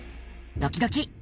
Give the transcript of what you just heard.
ドキドキ。